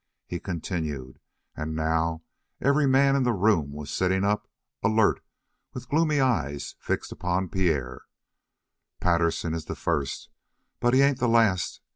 He continued, and now every man in the room was sitting up, alert, with gloomy eyes fixed upon Pierre: "Patterson is the first, but he ain't the last.